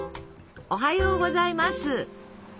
おはようございます。